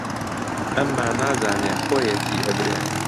ئەمما نازانێ خۆیەتی ئەبرێ